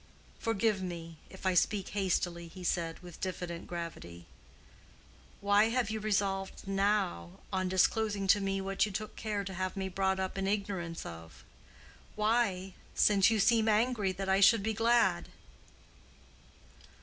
"Forgive me, if I speak hastily," he said, with diffident gravity. "Why have you resolved now on disclosing to me what you took care to have me brought up in ignorance of? Why—since you seem angry that I should be glad?"